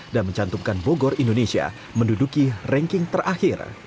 mencantumkan bogor indonesia menduduki ranking terakhir